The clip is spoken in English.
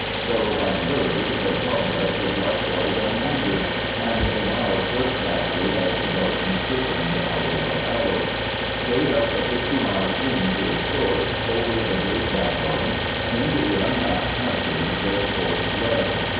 Though unhurried, their progress was likewise unhindered, and the miles slipped backward as the darkness thickened, hour by hour. Straight up the fifty mile stream to its source, over the great backbone and into the unmapped country their course led.